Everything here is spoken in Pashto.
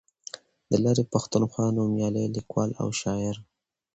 د لرې پښتونخوا نومیالی لیکوال او شاعر